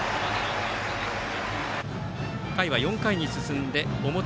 回は４回に進んで表